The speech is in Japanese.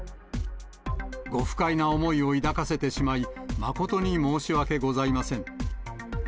ご不快な思いを抱かせてしまい、誠に申し訳ございません。